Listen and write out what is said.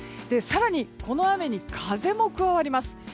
更に、この雨に風も加わります。